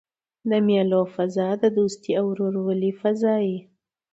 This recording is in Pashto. د مېلو فضا د دوستۍ او ورورولۍ فضا يي.